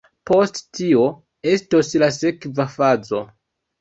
Post tio estos la sekva fazo.